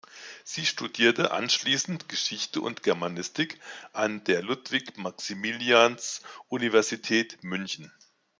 Sie studierte anschließend Geschichte und Germanistik an der Ludwig-Maximilians-Universität München.